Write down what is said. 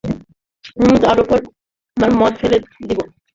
আমি তার উপর আমার মদ ফেলে দিব।